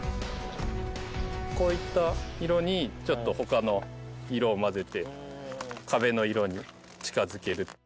こういった色にほかの色を混ぜて壁の色に近付ける。